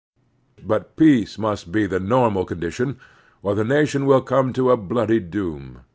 But peace must be the normal condition, or the nation will come to a bloody doom.